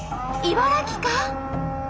茨城か？